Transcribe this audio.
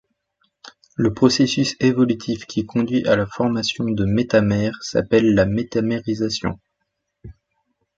Le processus évolutif qui conduit à la formation de métamères s'appelle la métamérisation.